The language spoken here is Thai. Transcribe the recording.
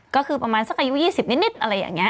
ก็คือประมาณสักอายุ๒๐นิดอะไรอย่างนี้